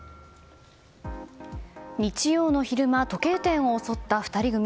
日曜の昼間時計店を襲った２人組。